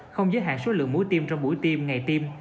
không giới hạn số lượng muối tiêm trong buổi tiêm ngày tiêm